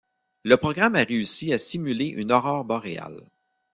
Le programme a réussi à simuler une aurore boréale.